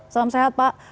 salam sehat pak